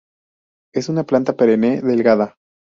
Es una planta perenne delgada.